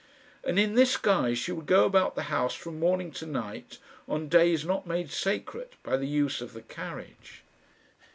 And in this guise she would go about the house from morning to night on days not made sacred by the use of the carriage.